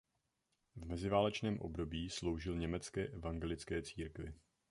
V meziválečném období sloužil Německé evangelické církvi.